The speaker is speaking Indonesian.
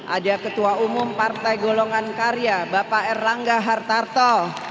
ada ketua umum partai golongan karya bapak erlangga hartarto